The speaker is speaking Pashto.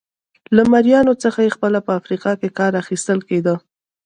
له مریانو څخه په خپله په افریقا کې کار اخیستل کېده.